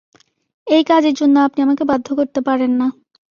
এই কাজের জন্য আপনি আমাকে বাধ্য করতে পারেন না।